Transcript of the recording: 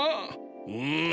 うん。